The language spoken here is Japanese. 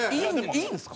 いいんですか？